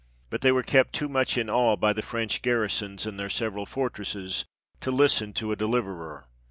But they were kept too much in awe by the French garrisons in their several fortresses to listen to a deliverer."